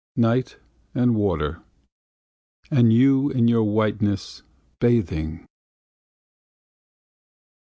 Night, and the water, and you in your whiteness, bathing!